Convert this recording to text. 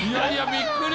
びっくり。